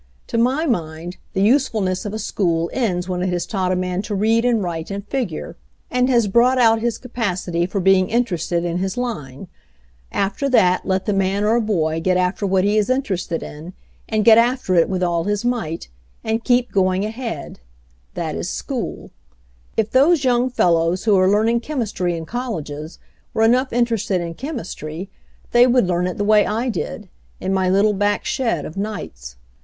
To my mind, the usefulness of a school ends when it has taught a man to read and write and figure, and has brought out his capacity for being interested in his line. After that, let the man or boy get after what he is interested in, and get after it with all his might, and keep going ahead — that is school. "If those young fellows who are learning chem istry in colleges were enough interested in chem istry they would learn it the way I did, in my little back shed of nights.